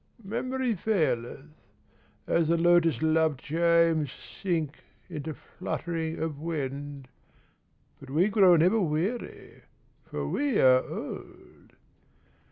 Memory faileth, as the lotus loved chimes Sink into fluttering of wind, But we grow never weary For we are old.